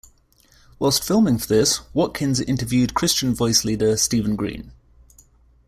Whilst filming for this, Watkins interviewed Christian Voice leader Stephen Green.